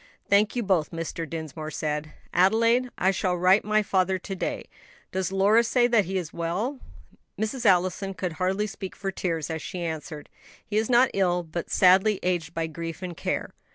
"Thank you both," Mr. Dinsmore said. "Adelaide, I shall write my father to day. Does Lora say that he is well?" Mrs. Allison could hardly speak for tears, as she answered, "He is not ill, but sadly aged by grief and care.